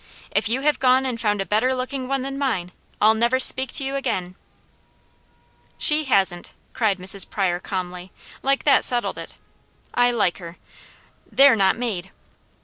"If you have gone and found a better looking one than mine, I'll never speak to you again." "She hasn't!" cried Mrs. Pryor calmly, like that settled it. I like her. "They're not made!"